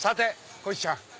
こひちゃん